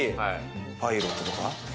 パイロットとか？